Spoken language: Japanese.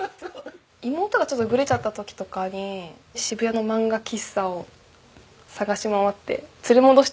妹がちょっとグレちゃった時とかに渋谷の漫画喫茶を捜し回って連れ戻してきたんですよ。